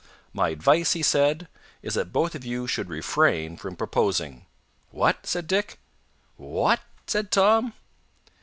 "My advice," he said, "is that both of you should refrain from proposing." "What?" said Dick. "Wha at?" said Tom.